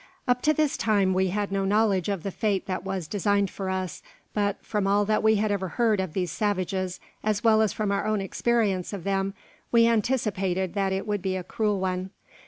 Up to this time we had no knowledge of the fate that was designed for us; but, from all that we had ever heard of these savages, as well as from our own experience of them, we anticipated that it would be a cruel one.